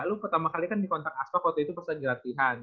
lo pertama kali kan di kontak aspak waktu itu pesan jelatihan